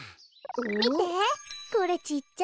みてこれちっちゃい。